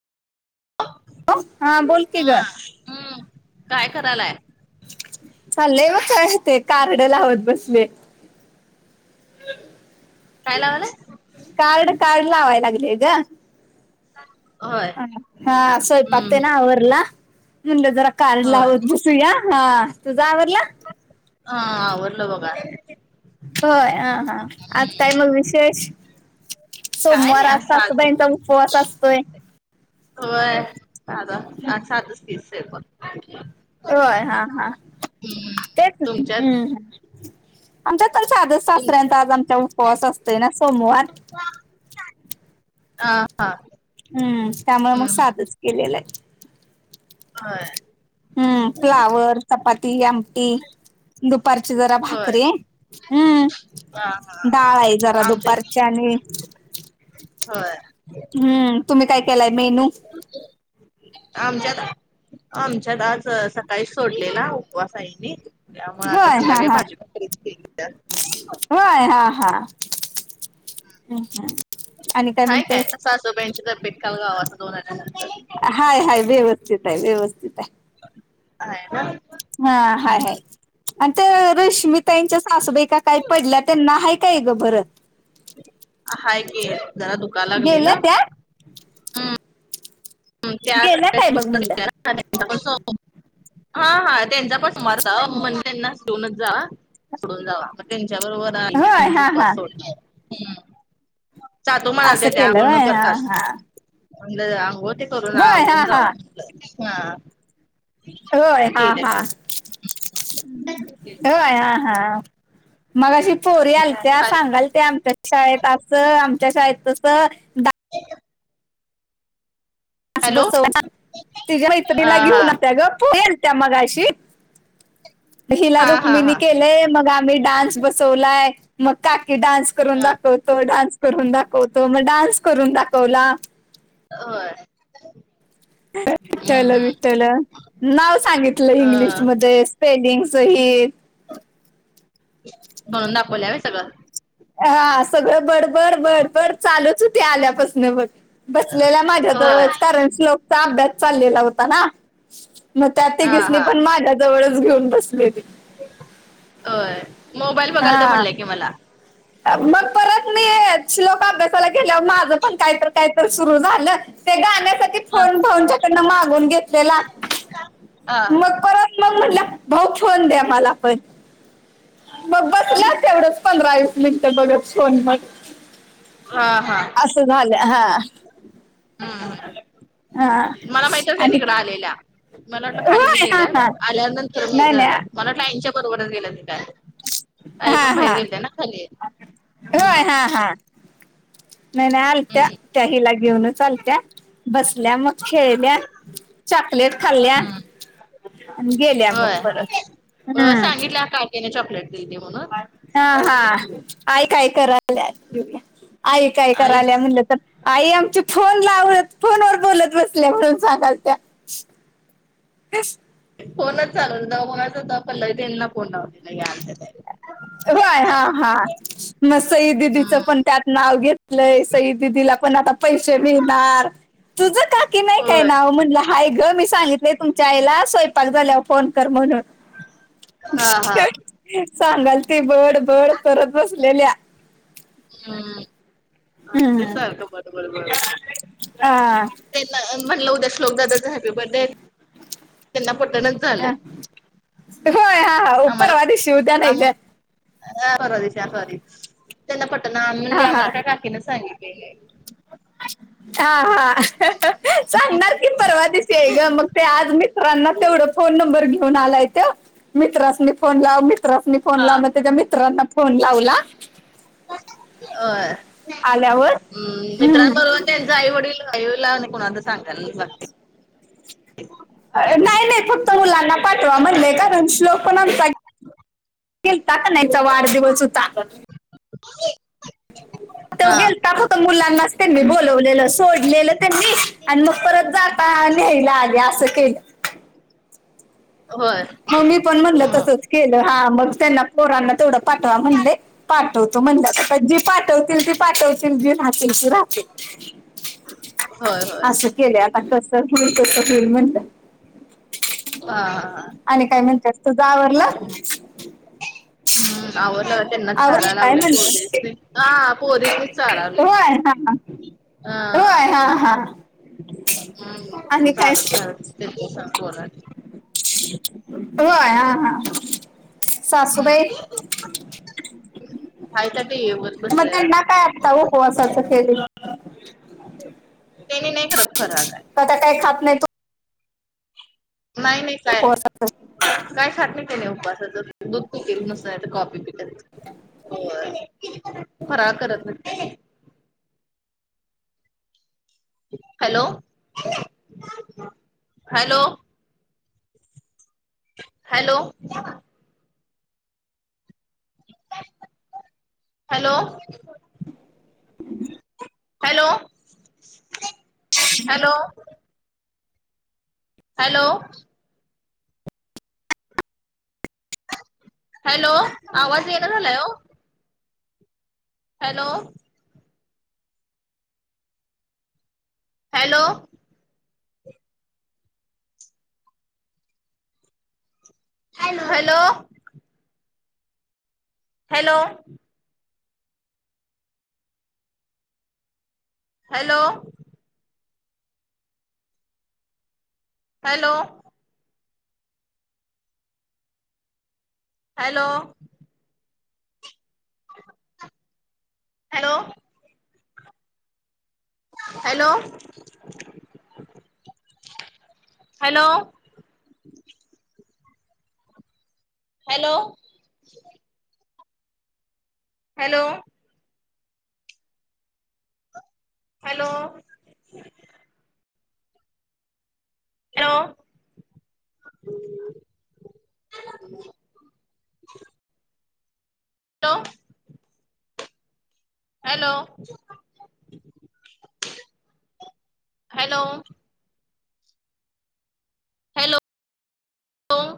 [unintelligible] हां बोल की हा ग हं, काय करालाय? चालय ब काय होतय कार्ड लावत बसले. काय लावालय? कार्ड कार्ड लावाय लागले ग. होय. हा स्वयंपाक हम्म तेन आवरला, म्हणलं जरा कार्ड होय लावत बस चुया हा, तुझ आवरडल. हा आवरलं बघा. होय हा हा आज काय मग विशेष. काय नाही सोमवार आज साध सासुबईनचा उपवास असतोय. होय, साधा आज साधच की स्वयंपाक. होय, हा हा, हम्म तेच हम्म तुमच्यात हम्म. आमच्यात पण साधच तुम सासऱ्यांचा आज आमच्या उपवास असतोय ना सोमवार. [unintelligible] हा हा. हम्म त्यामुळ म हम्म साधच केलेलंय. होय. हम्म फ्लावर, चपाती, आमटी. दुपारची जरा होय भाकरी, हम्म. हा हा डाळ आहे जरा आमच्यात दुपारची आणि. होय हम्म तुम्ही काय केलाय मेनू. [unintelligible] आमच्यात, आमच्यात आज सकाळी सोडलेला उपवास आईनी. त्यामुळ आता हा संध्याकाळी भाजी भाकरीच केली. होय हा हा, ह हा. आणि हाय म्हणते काय आता सासुबाईंची तब्येत काल गावासंन जाऊन आल्यानंतर हाय हाय व्यवस्थित आहे व्यवस्थित आहे आहे ना हम्म हां हाय हाय आणि ते रश्मिताईंच्या सासूबाईं का काय पडल्या त्यांना आहे काय गं बर हाय की जरा दुखायला गेल्या लागलेलं त्या हम्म त्या गेल्या काय बघ म्हणलं [unintelligible] हां हां तेंचा पण सोमवार होता म्हण त्यांना जेऊनच जा सोडून जावा मग त्यांच्या बरोबर होय आम्हीपण हा हा उपवास सोडला हम्म जातो असं म्हणालत्या त्या केलं आंघोळ न होय हा करताच हा म्हणलं आंघोळ ते करुन होय हा हा जावा म्हंटल होय हां हां होय हां हा मगाशी पोरी आणि काय आलत्या झालं? सांगाल ते आमच्या शाळेत अस आमच्या शाळेत तस हॅलो बसव तिझ्या हा मैत्रीला हा घेऊन त्या ग त्या मगाशी हिला हा हा रुक्मिणी हा केलय मग मी डान्स बसवलाय मग काकी डान्स करून हा दाखव तो डान्स करून दाखवतो मग डान्स करून दाखवला होय हम्म विठ्ठल हम्म विठ्ठल नाव सांगितलं अ इंग्लिशमध्ये स्पेलिंग सहित म्हणून दाखवल्या होय सगळं हा सगळं बडबड बडबड चालूच होते आल्यापासून बघ बसलेल्या माझ्या होय जवळच कारण श्लोकचा अभ्यास चाललेला होता ना मग त्या हा तिघिसनी हा पण माझ्या जवळच घेऊन बसलेली होय मोबाईल बघालतो हा म्हणल्या कि मला मग परत मी श्लोक अभ्यासाला गेल्यावर माझं पण काहीतर काहीतर सुरू झालं ते गाण्यासाठी ह फोन भाऊंच्याकडून मागून घेतलेला हा [unintelligible] मला पण मग बसलो तेवढंच पंधरा वीस मिनिटं बघत फोन मग हा हा अस झालं हा हम्म हा आणि आलेला मला वाटलं खालीच होय हा हा गेल्यात आल्यानंतर माहीत नाही झालं नाही ताईंच्या बरोबरच गेलं कि काय आई हा पण बाहेर हा गेलत्या ना खाली हम्म होय हा हा. नाही नाही आलत्या हम्म त्या हिला घेऊनच आलत्या बसल्या मग खेळल्या चॉकलेट खाल्ल्या हम्म गेल्या मग होय परत हा तेन चॉकलेट दिलती म्हणून हा हा, आई काय कराल्यात, आई काय कराल्या म्हलं तर आई आमची फोन लावत फोनवर बोलत बसल्या म्हणून सांगालत्या. [unintelligible] फोनच चालू हुता, तेव्हा कुणाचा हुता, पल्लवी ताईंना फोन लावत होत्या ह्या आत्या ताई. व्हय हा हा. म सई दिदीचं हम्म पण त्यात नाव घेतलंय सई दिदीला पण आता पैसे मिळणार, तुझ काकी नाही काय होय नाव म्हणला हाय ग, मी सांगितलेय तुमच्या आईला स्वयंपाक झाल्यावर फोन कर म्हणून. हा हा सांगालती, बड बड कर बसलेल्या. हम्म हम्म लई सारखं बड बड बड हा त्यांना म्हटलं उद्या श्लोक दादाचा हॅपी बर्थडे, त्यांना पटनाच. हा होय हा. [unintelligible] हा परवा दिवशी उद्या नाही त्यांना का पटन मी म्हणलं हा आम्हाला हा काय काकीनं सांगितलेली हाय. हा हा. सांगणार की, परवा दिवसी हाय ग, मग ते आज मी रानात तेवढ फोन नंबर घेऊन आलाय त्यो, मित्रासनी फोन लाव मित्रासनी फोन लाव, म त्याच्या मित्रांना फोन लावला. होय, आल्यावर हम्म हम्म. मित्रांबरोबर त्यां आईवडील राहिल्या आणि कोणाला तरी सांगायलाच लागतंय. अह नाय नाय फक्त मुलांना पाठवा म्हणलंय कारण श्लोक पण आमचा गेलता क नाय तवा आठ दिवस हुता. हा. त्या फक्त मुलांनाच त्यांनी बोलवलेलं अस तोडलेलं त्यांनी आणि मग परत जाता, न्यायला आली असं केलं होय. म मी पण म्हणलं तसंच केलं हा मग त्यांना पोरांना तेवढं पाठवा म्हणलंय पाठवतो म्हणल्यात, आता जी पाठवतील ती पाठवतील, जी राहतील ती राहतील. होय होय असं केलंय आता, कस हुईल कस हुईल म्हणलं. हा. आणि काय म्हणत्यास, तुझं आवरल? हम्म आवरल, त्यांनाच चाराय आवरलं काय लागलोय पोरीसनी, हा पोरीसनी व्हय हा हा, व्हय हा हा. [unintelligible] हम् आणि काय चारत चारत, त्यांच्या संग बोला. व्हय हा हा. हम्म सासूबाई? हाय त्या टीव्ही बघत मग बसलेला त्यांना काय आता उपवासाचं केलेलं? त्यानी नाही करतं फराळ काय. म त्या काय खात नाहीत नाही मी काय, उपवास काय खात नाही तेनी उपवासाचं. दूध पित्यात नुसतं नाही तर कॉपी पित्यात. होय फराळ करत नाहीत ते. Hello hello hello hello hello, hello hello hello, आवाज येईना झालाय ओ. Hello hello hello, hello hello hello hello hello hello hello, hello. Hello hello hello hello. ह [unintelligible] हॅलो. Hello, hello. हॅलो..